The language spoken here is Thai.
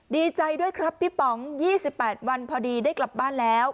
ดีใจด้วยครับพี่ป๋อง๒๘วันพอดีได้กลับบ้านแล้ว